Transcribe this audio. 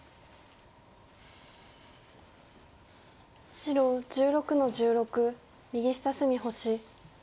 白１６の十六右下隅星。